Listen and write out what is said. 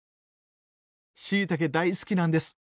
しいたけ大好きなんです。